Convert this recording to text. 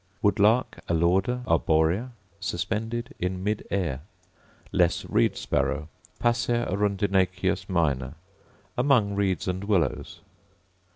Woodlark, Alauda arborea: Suspended in mid air. Less reed sparrow, Passer arundinaceus minor: Among reeds and willows.